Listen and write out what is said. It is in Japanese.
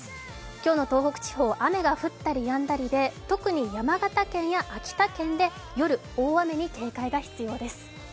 今日の東北地方、雨が降ったりやんだりで、特に山形県や秋田県で夜、大雨に警戒が必要です。